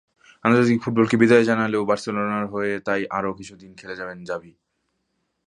আন্তর্জাতিক ফুটবলকে বিদায় জানালেও বার্সেলোনার হয়ে তাই আরও কিছুদিন খেলে যাবেন জাভি।